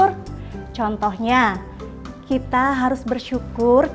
mereka bisa terbawah kanmakan nama kita